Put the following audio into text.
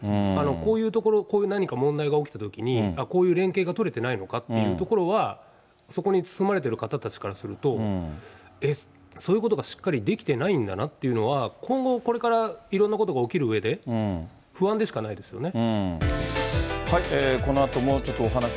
こういうところ、こういう何か問題が起きたときに、こういう連携が取れてないのかということは、そこに住まれてる方たちからすると、えっ、そういうことがしっかりできてないんだなっていうのは、今後これから、いろんなことが起きるうえで、不安でしかないですよね。